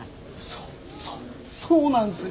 そうそうそうなんすよ。